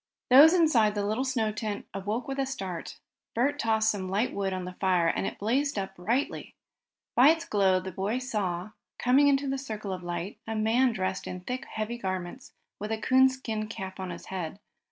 Those inside the little snow covered tent awoke with a start. Bert tossed some light wood on the fire and it blazed up brightly. By its glow the boy saw, coming into the circle of light, a man dressed in thick, heavy garments, with a coonskin cap on his head.